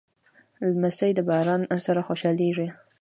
لمسی د باران سره خوشحالېږي.